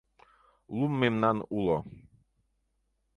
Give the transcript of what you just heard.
— Лум мемнан уло.